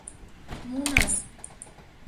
Мунас.